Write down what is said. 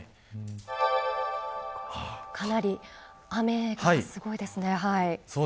かなり雨がすごいですね。